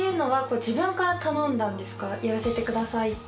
やらせてくださいって。